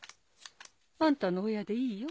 あんたの親でいいよ。